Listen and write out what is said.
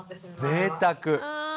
ぜいたく。